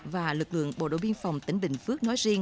và lực lượng bộ đội biên phòng tỉnh bình phước nói riêng